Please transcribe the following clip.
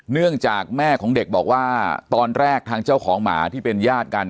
เนื่องจากแม่ของเด็กบอกว่าตอนแรกทางเจ้าของหมาที่เป็นญาติกัน